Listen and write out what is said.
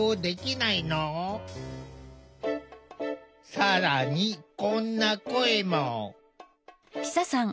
更にこんな声も。